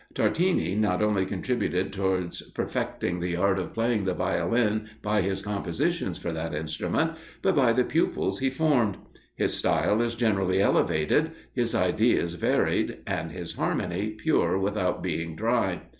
Tartini not only contributed towards perfecting the art of playing the Violin by his compositions for that instrument, but by the pupils he formed. His style is generally elevated; his ideas varied, and his harmony pure without being dry.